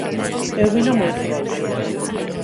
Eu vino moi frouxo.